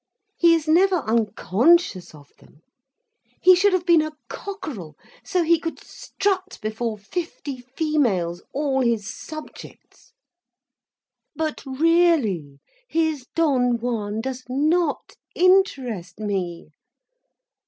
He is never unconscious of them. He should have been a cockerel, so he could strut before fifty females, all his subjects. But really, his Don Juan does not interest me.